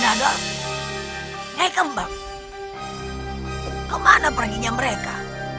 tua nadop nyai kembang kemana perginya mereka